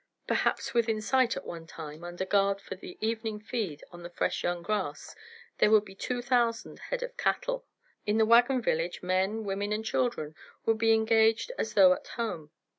Perhaps within sight, at one time, under guard for the evening feed on the fresh young grass, there would be two thousand head of cattle. In the wagon village men, women and children would be engaged as though at home.